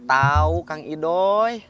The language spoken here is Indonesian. aku tau kang idoi